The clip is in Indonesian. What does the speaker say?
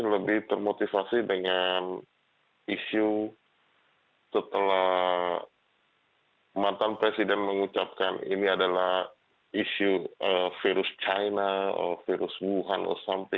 lebih termotivasi dengan isu setelah mantan presiden mengucapkan ini adalah isu virus china virus wuhan